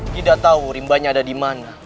tidak tahu rimbanya ada dimana